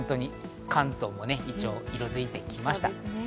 関東もイチョウが色づいてきました。